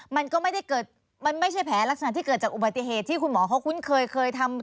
มันไม่ใช่แผลลักษณะที่เกิดจากอุบัติเหตุที่หมอเขาคุ้นเคยทำมา